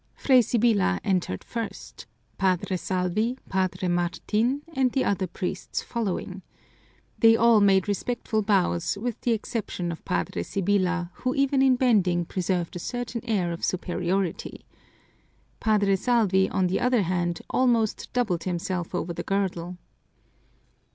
Fray Sibyla entered first, Padre Salvi, Padre Martin, and the other priests following. They all made respectful bows with the exception of Padre Sibyla, who even in bending preserved a certain air of superiority. Padre Salvi on the other hand almost doubled himself over the girdle.